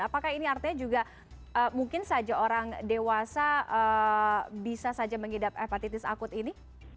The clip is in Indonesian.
apakah ini artinya juga mungkin saja orang dewasa bisa saja mengidap hepatitis akut ini